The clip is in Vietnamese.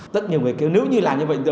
rất nhiều người kêu nếu như là như vậy